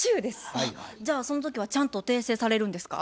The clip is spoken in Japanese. じゃあその時はちゃんと訂正されるんですか？